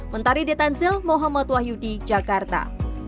mentari detansil mohammad wahyudi jakarta